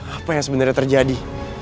apa yang sebenarnya terjadi